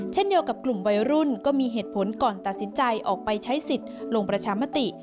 เช่นเดียวกับกลุ่มวัยรุ่นก็มีเหตุผลก่อนตัดสินใจออกไปใช้สิทธิ์ลงประชามติ